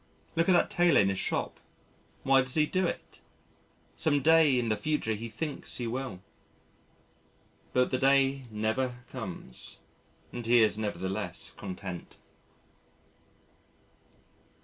Look at that tailor in his shop why does he do it? Some day in the future he thinks he will.... But the day never comes and he is nevertheless content.